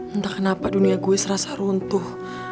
entah kenapa dunia gue serasa runtuh